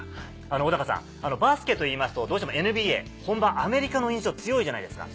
小さんバスケといいますとどうしてもＮＢＡ本場アメリカの印象強いじゃないですか。